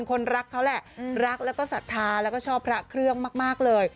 คนรักเขาแหละรักแล้วก็ศรัทธาแล้วก็ชอบพระเครื่องมากเลย